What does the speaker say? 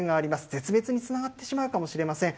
絶滅につながってしまうかもしれません。